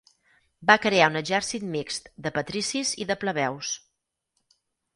Va crear un exèrcit mixt de patricis i de plebeus.